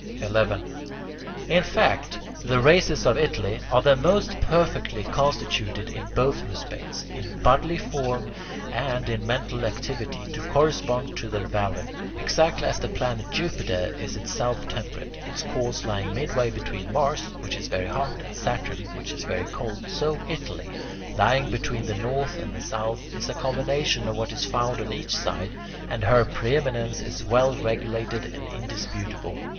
11. In fact, the races of Italy are the most perfectly constituted in both respects in bodily form and in mental activity to correspond to their valour. Exactly as the planet Jupiter is itself temperate, its course lying midway between Mars, which is very hot, and Saturn, which is very cold, so Italy, lying between the north and the south, is a combination of what is found on each side, and her preeminence is well regulated and indisputable.